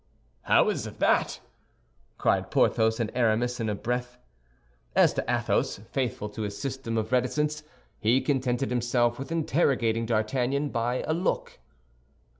"How is that?" cried Porthos and Aramis in a breath. As to Athos, faithful to his system of reticence, he contented himself with interrogating D'Artagnan by a look.